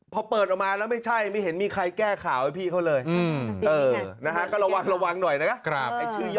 พอเปิดออกมาแล้วไม่ใช่ไม่เห็นมีใครแก้ข่าวให้พี่เขาเลยนะฮะก็ระวังหน่อยนะครับ